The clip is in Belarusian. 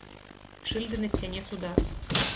Шыльда на сцяне суда.